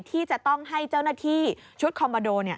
ที่จะต้องให้เจ้าหน้าที่ชุดคอมมาโด